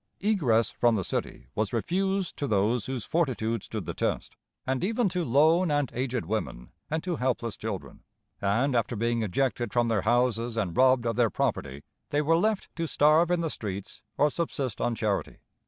Egress from the city was refused to those whose fortitude stood the test, and even to lone and aged women and to helpless children; and, after being ejected from their houses and robbed of their property, they were left to starve in the streets or subsist on charity.